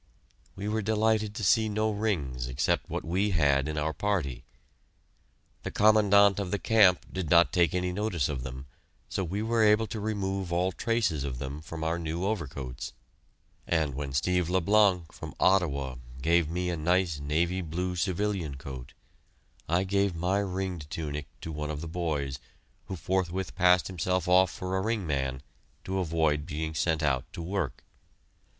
We were delighted to see no rings except what we had in our party. The Commandant of the camp did not take any notice of them, so we were able to remove all traces of them from our new overcoats, and when Steve Le Blanc, from Ottawa, gave me a nice navy blue civilian coat, I gave my ringed tunic to one of the boys, who forthwith passed himself off for a ring man, to avoid being sent out to work.